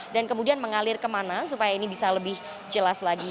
dan kemudian mengalir kemana supaya ini bisa lebih jelas lagi